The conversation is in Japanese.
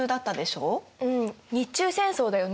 うん日中戦争だよね。